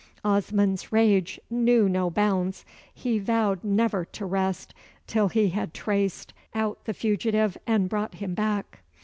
Osmond's rage knew no bounds. He vowed never to rest till he had traced out the fugitive, and brought him back.